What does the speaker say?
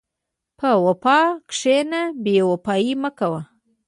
په وفا کښېنه، بېوفایي مه کوه.